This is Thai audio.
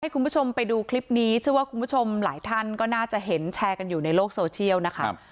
คุณผู้ชมไปดูคลิปนี้เชื่อว่าคุณผู้ชมหลายท่านก็น่าจะเห็นแชร์กันอยู่ในโลกโซเชียลนะคะ